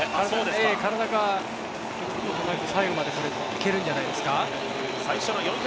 体が最後まで、これ、いけるんじゃないですか。